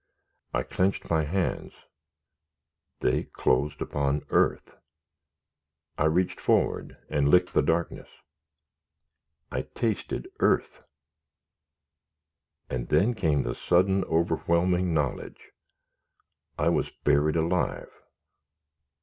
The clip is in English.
I clenched my hands they closed upon earth! I reached forward and licked the darkness. I tasted earth! and then came the sudden, overwhelming knowledge I WAS BURIED ALIVE!!